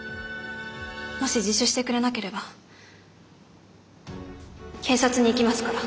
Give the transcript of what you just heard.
もし自首してくれなければ警察に行きますから。